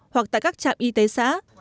hoặc tại các trạm y tế xã